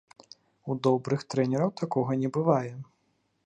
У добрых трэнераў такога не бывае.